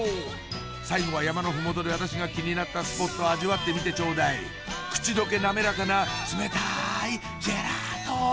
最後は山の麓で私が気になったスポット味わってみてちょうだい口溶け滑らかな冷たいジェラート！